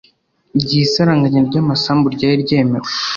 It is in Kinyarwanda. gihe isaranganya ry amasambu ryari ryemewe